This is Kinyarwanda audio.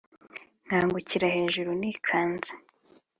nkangukira hejuru nikanze